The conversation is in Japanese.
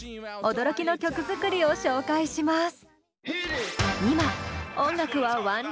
驚きの曲作りを紹介します！